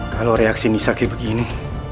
kalau reaksi nis saki begini